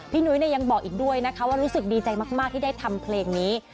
นุ้ยยังบอกอีกด้วยนะคะว่ารู้สึกดีใจมากที่ได้ทำเพลงนี้